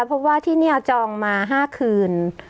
เพราะว่าที่นี่จองมา๕คืน